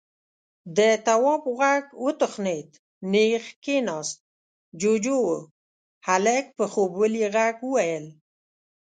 د تواب غوږ وتخنېد، نېغ کېناست. جُوجُو و. هلک په خوبولي غږ وويل: